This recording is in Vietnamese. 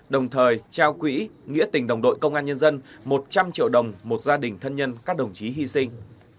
đồng thời trao quỹ nghĩa tình đồng đội công an nhân dân một trăm linh triệu đồng một gia đình thân nhân các đồng chí hy sinh